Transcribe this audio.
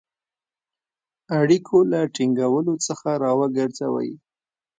اړیکو له ټینګولو څخه را وګرځوی.